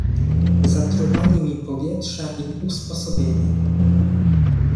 "Zatruwali mi powietrze i usposobienie."